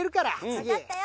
わかったよ！